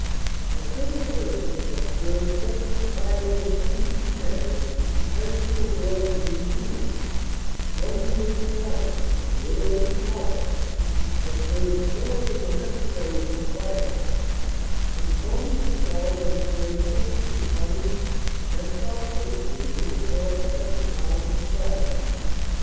A civil person observes such propriety of speech and manner as to avoid being rude; one who is polite (literally polished) observes more than the necessary proprieties, conforming to all that is graceful, becoming, and thoughtful in the intercourse of refined society.